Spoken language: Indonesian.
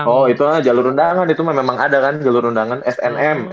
oh itu lah jalur undangan itu memang ada kan jalur undangan snm